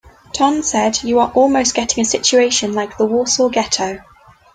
Tonge said You are almost getting a situation like the Warsaw ghetto.